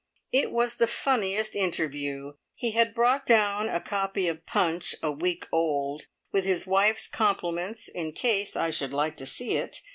It was the funniest interview! He had brought down a copy of Punch (a week old), with his wife's compliments "in case I should like to see it".